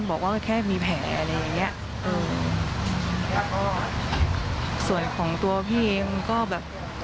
แม่บอกว่าแค่มีแผลอะไรอย่างเงี้ยเออส่วนของตัวพี่มันก็แบบ